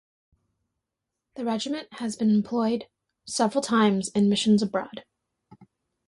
The Regiment has been employed several times in missions abroad.